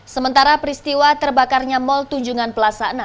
sementara peristiwa terbakarnya mall tunjungan plaza enam